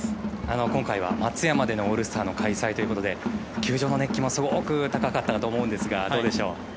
今回は松山でもオールスターの開催ということで球場の熱気もすごく高かったなと思うんですがどうでしょう。